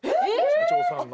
社長さんが。